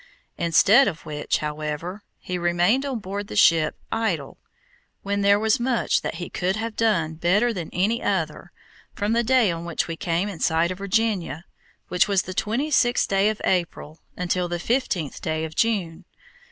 Instead of which, however, he remained on board the ship idle, when there was much that he could have done better than any other, from the day on which we came in sight of Virginia, which was the fifteenth day of April, until the twenty sixth day of June.